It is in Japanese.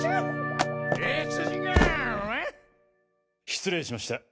失礼しました。